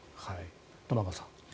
玉川さん。